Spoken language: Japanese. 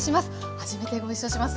初めてご一緒します。